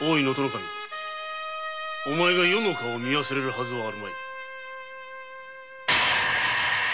守お前が余の顔を見忘れるはずはあるまい。